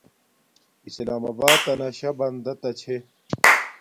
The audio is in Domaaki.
اسلام آباتنا شا بندا تا چھے